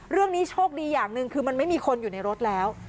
เรื่องนี้โชคดีอย่างหนึ่งคือมันไม่มีคนอยู่ในรถแล้ว